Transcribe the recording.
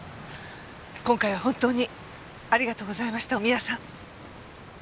今回は本当にありがとうございましたおみやさん。